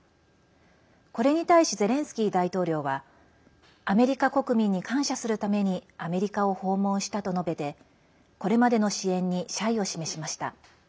これに対しゼレンスキー大統領はアメリカ国民に感謝するためにアメリカを訪問したと述べてこれまでの支援に謝意を示しました。